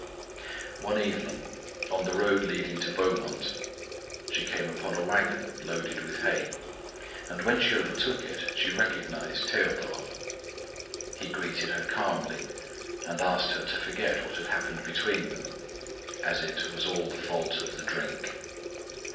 One evening, on the road leading to Beaumont, she came upon a wagon loaded with hay, and when she overtook it, she recognised Théodore. He greeted her calmly, and asked her to forget what had happened between them, as it "was all the fault of the drink."